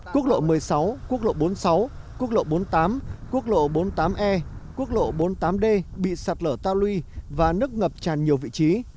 quốc lộ một mươi sáu quốc lộ bốn mươi sáu quốc lộ bốn mươi tám quốc lộ bốn mươi tám e quốc lộ bốn mươi tám d bị sạt lở tao lui và nước ngập tràn nhiều vị trí